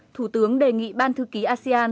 thủ tướng đề nghị ban thư ký asean